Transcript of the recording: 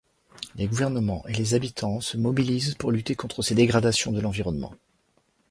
Les gouvernements et les habitants se mobilisent pour lutter contre ces dégradations de l’environnement.